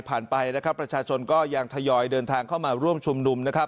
ประชาชนก็ยังทยอยเดินทางเข้ามาร่วมชมนุม